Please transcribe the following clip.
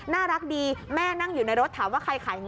น่ารักดีแม่นั่งอยู่ในรถถามว่าใครขายเงิน